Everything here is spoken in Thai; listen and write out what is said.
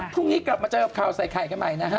พรุ่งนี้กลับมาเจอกับเคาร์ไสแข่งใหม่